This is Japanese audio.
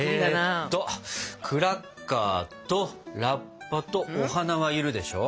えっとクラッカーとラッパとお花は要るでしょ。